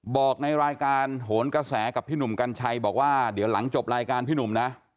บอกในรายการโหนกระแสกับพี่หนุ่มกัญชัยบอกว่าเดี๋ยวหลังจบรายการพี่หนุ่มนะ